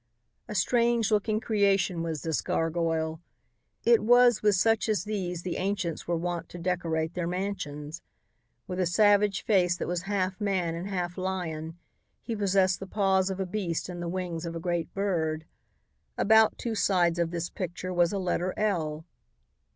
A strange looking creation was this gargoyle. It was with such as these the ancients were wont to decorate their mansions. With a savage face that was half man and half lion, he possessed the paws of a beast and the wings of a great bird. About two sides of this picture was a letter L.